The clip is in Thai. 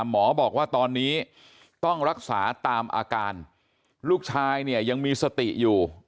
หมอบอกว่าตอนนี้ต้องรักษาตามอาการลูกชายเนี่ยยังมีสติอยู่